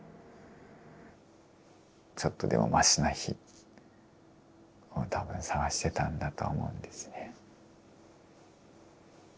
ちょっとでもましな日を多分探してたんだと思うんですね。